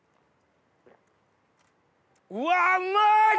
うわうまい！